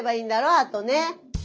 あとね。